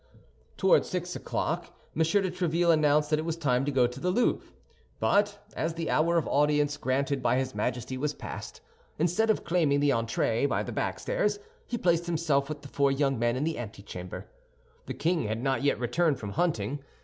Toward six o'clock M. de Tréville announced that it was time to go to the Louvre; but as the hour of audience granted by his Majesty was past, instead of claiming the entrée by the back stairs, he placed himself with the four young men in the antechamber. The king had not yet returned from hunting.